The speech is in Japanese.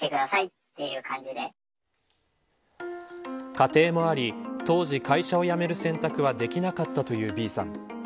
家庭もあり当時、会社を辞める選択はできなかったというＢさん。